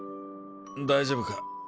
大丈夫か？